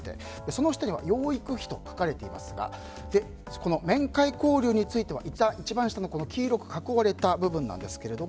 その下には養育費と書かれていますがこの面会交流については一番下の黄色く囲われた部分です。